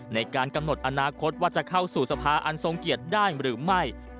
ในการกำหนดอนาคตว่าจะเข้าสู่สภาอันทรงเกียรติได้หรือไม่